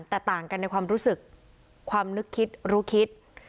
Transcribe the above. แต่ต่างกันในความรู้สึกความนึกคิดรู้คิด